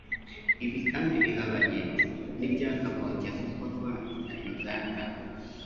Ibi kandi bihabanye n’ibyakagombye gukorwa na Uganda